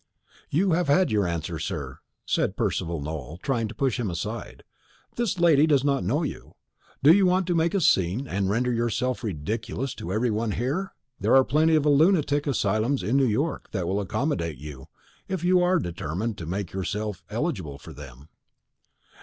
"You have had your answer, sir," said Percival Nowell, trying to push him aside. "This lady does not know you. Do you want to make a scene, and render yourself ridiculous to every one here? There are plenty of lunatic asylums in New York that will accommodate you, if you are determined to make yourself eligible for them."